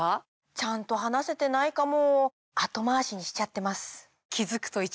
ちゃんと話せてないかも。